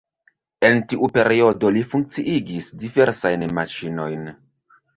En tiu periodo li funkciigis diversajn maŝinojn.